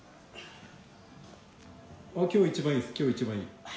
「今日一番いいです今日一番いい」